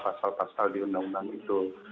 pasal pasal di undang undang itu